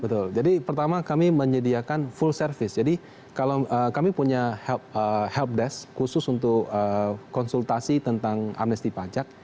betul jadi pertama kami menyediakan full service jadi kalau kami punya helpdesk khusus untuk konsultasi tentang amnesti pajak